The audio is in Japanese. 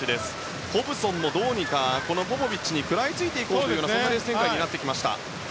ホブソンもポポビッチに食らいついていこうというレース展開になってきた。